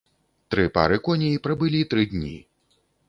Тры пары коней прабылі тры дні.